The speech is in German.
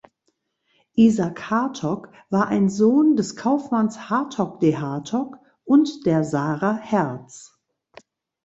Isaac Hartog war ein Sohn des Kaufmanns Hartog de Hartog und der Sara Hertz.